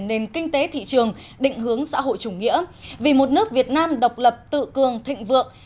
nền kinh tế thị trường định hướng xã hội chủ nghĩa vì một nước việt nam độc lập tự cường thịnh vượng